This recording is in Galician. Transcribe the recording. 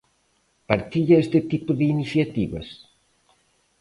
Partilla este tipo de iniciativas?